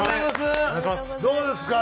どうですか？